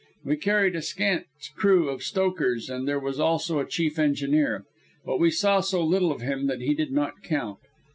We carried a scant crew of stokers, and there was also a chief engineer. But we saw so little of him that he did not count.